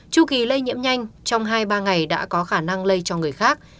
chu kỳ lây nhiễm nhanh trong hai ba ngày đã có khả năng lây cho người khác